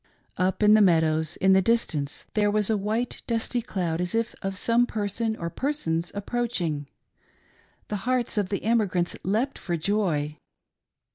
Up in the meadows — in the distance — there was a white dusty cloud as if of some person or persons approaching: — the hearts of the emigrants leaped for joy.